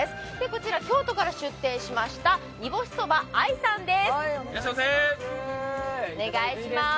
こちら京都から出店しました、煮干しそば藍さんです。